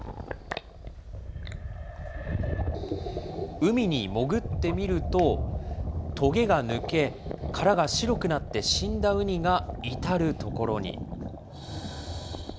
海に潜ってみると、とげが抜け、殻が白くなって死んだウニが至る所に。